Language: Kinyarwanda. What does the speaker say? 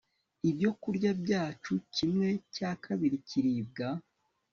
ibyokurya byacu kimwe cya kabiri kiribwa